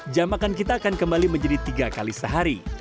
jam makan kita akan kembali menjadi tiga kali sehari